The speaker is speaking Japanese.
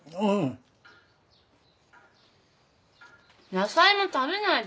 野菜も食べないと。